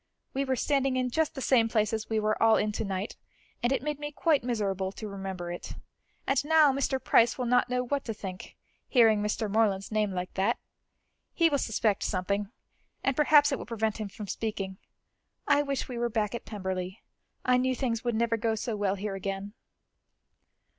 We were standing in just the same place as we were all in to night, and it made me quite miserable to remember it. And now Mr. Price will not know what to think, hearing Mr. Morland's name like that. He will suspect something, and perhaps it will prevent him from speaking. I wish we were back at Pemberley; I knew things would never go so well here again."